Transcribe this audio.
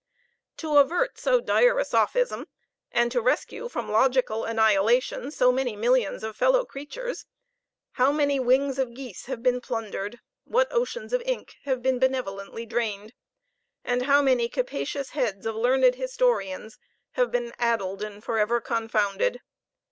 To avert so dire a sophism, and to rescue from logical annihilation so many millions of fellow creatures, how many wings of geese have been plundered! what oceans of ink have been benevolently drained! and how many capacious heads of learned historians have been addled and for ever confounded!